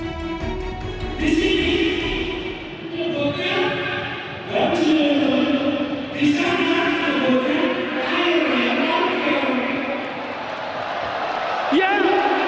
di sini untuk bukit bukit di sana bukit airnya pandir